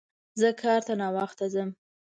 زه کار ته ناوخته ځم